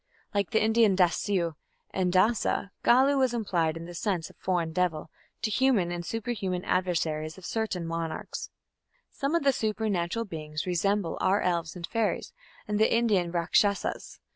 Like the Indian "Dasyu" and "Dasa", Gallu was applied in the sense of "foreign devil" to human and superhuman adversaries of certain monarchs. Some of the supernatural beings resemble our elves and fairies and the Indian Rakshasas.